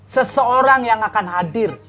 seseorang yang akan hadir